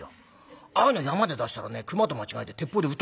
ああいうの山で出したらね熊と間違えて鉄砲で撃たれちゃうよ。